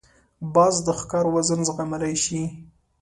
باز د ښکار وزن زغملای شي